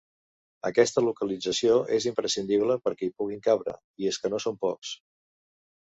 Aquesta localització és imprescindible perquè hi puguin cabre, i és que no són pocs.